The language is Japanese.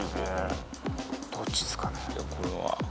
どっちっすかね？